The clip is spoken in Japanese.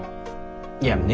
いや「ね」